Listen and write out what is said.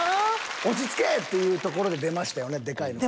「落ち着け！」っていうところで出ましたよねでかいのね。